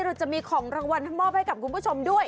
เราจะมีของรางวัลให้มอบให้กับคุณผู้ชมด้วย